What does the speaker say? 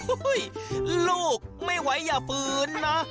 โอ้โฮลูกไม่ไหวอย่าฝืนนะ